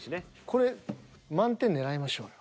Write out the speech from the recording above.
これ満点狙いましょうよ。